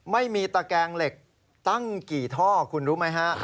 ตะแกงเหล็กตั้งกี่ท่อคุณรู้ไหมฮะ